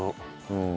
うん。